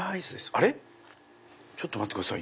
あれ⁉ちょっと待ってください。